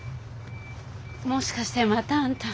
もしかしてまたあんた。